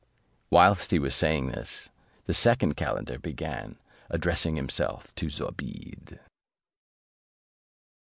Whilst he was saying this, the second calender began, addressing himself to Zobeide.